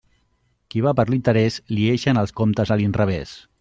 Qui va per l'interés, li ixen els comptes a l'inrevés.